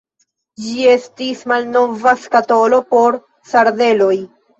Ĝi estis malnova skatolo por sardeloj.